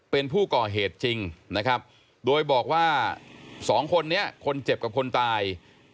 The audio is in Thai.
เป็นผู้ก่อเหตุจริงนะครับโดยบอกว่าสองคนนี้คนเจ็บกับคนตาย